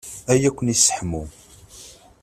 Aya ad ken-yesseḥmu.